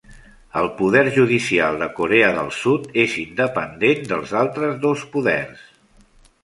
El poder judicial de Corea del Sud és independent dels altres dos poders.